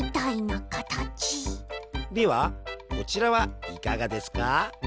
ではこちらはいかがですか？